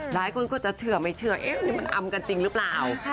หลายคนก็จะเชื่อไม่เชื่อเอ๊ะนี่มันอำกันจริงหรือเปล่า